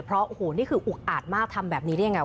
เพราะโอ้โหนี่คืออุกอาดมากทำแบบนี้ได้ยังไง